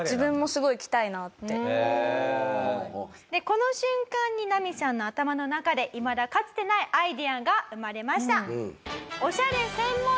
この瞬間にナミさんの頭の中でいまだかつてないアイデアが生まれました。